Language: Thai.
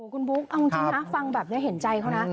คุณบุ๊คเอาจริงนะฟังแบบนี้เห็นใจเขานะ